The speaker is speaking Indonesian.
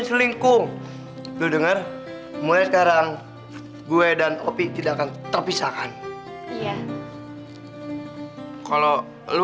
selingkuh lu denger mulai sekarang gue dan opi tidak akan terpisahkan iya kalau lu